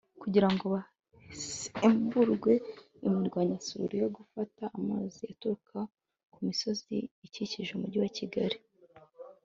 kugira ngo hasiburwe imirwanyasuri yo gufata amazi aturuka ku misozi ikikije Umujyi wa Kigali